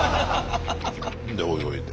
で泳いで。